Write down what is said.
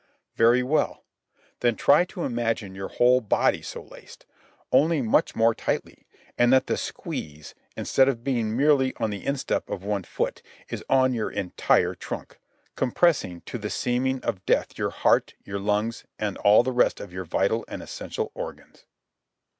Very well. Then try to imagine your whole body so laced, only much more tightly, and that the squeeze, instead of being merely on the instep of one foot, is on your entire trunk, compressing to the seeming of death your heart, your lungs, and all the rest of your vital and essential organs.